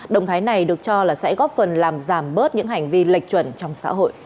động thái này được cho là sẽ góp phần làm giảm bớt những hành vi lệch chuẩn trong xã hội